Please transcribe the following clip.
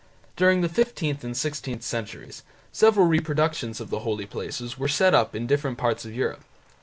During the fifteenth and sixteenth centuries several reproductions of the holy places were set up in different parts of Europe.